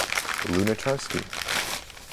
Lunacharsky.